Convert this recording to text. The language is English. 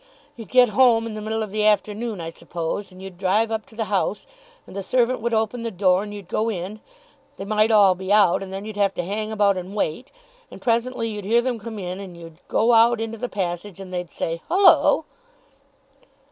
"You'd get home in the middle of the afternoon, I suppose, and you'd drive up to the house, and the servant would open the door, and you'd go in. They might all be out, and then you'd have to hang about, and wait; and presently you'd hear them come in, and you'd go out into the passage, and they'd say 'Hullo!